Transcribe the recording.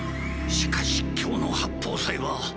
しかし今日の八方斎は。